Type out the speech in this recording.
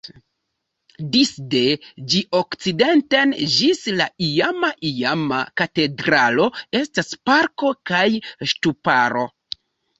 Disde ĝi okcidenten ĝis la iama iama katedralo estas parko kaj ŝtuparo.